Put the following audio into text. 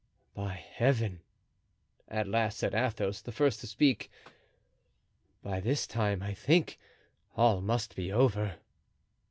"By Heaven!" at last said Athos, the first to speak, "by this time, I think, all must be over."